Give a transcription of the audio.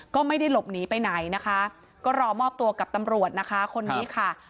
ก็ไม่ได้หลบหนีไปไหนนะคะก็รอมอบตัวกับตำรวจนะคะคนนี้ค่ะ